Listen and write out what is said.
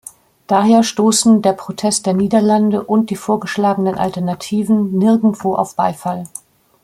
Daher stoßen der Protest der Niederlande und die vorgeschlagenen Alternativen nirgendwo auf Beifall.